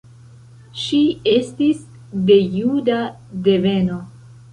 Ŝi estis de juda deveno.